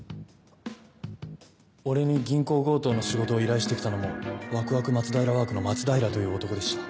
俺に銀行強盗の仕事を依頼して来たのもワクワク松平ワークの松平という男でした。